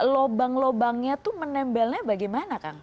lobang lobangnya tuh menembelnya bagaimana kang